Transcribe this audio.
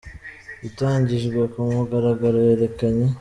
Itangijwe ku mugaragaro yerekanye.